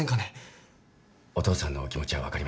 お父さんのお気持ちは分かります。